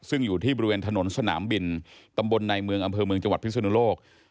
ซึ่งอยู่ที่บริเวณถนนสนามบินตำบลในเมืองอำเภอเมืองจังหวัดพิศนุโลก